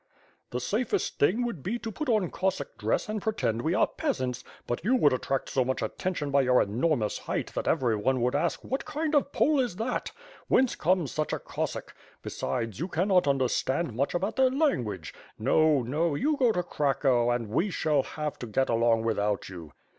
The safest thing would be to put on Cossack dress and pretend we are peasants, but you would attract so much attention by your enormous height that everyone would ask, *What kind of pole is that? Whence comes such a Cossack' — ^besides you cannot under stand much about their language. No, no, you go to Cracow and we shall have to get along without you."